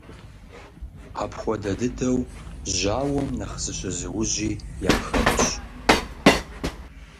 Апхуэдэ дыдэу, жьауэм нэхъ зыщызыужьи яхэтщ.